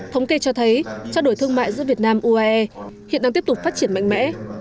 thống kê cho thấy trao đổi thương mại giữa việt nam uae hiện đang tiếp tục phát triển mạnh mẽ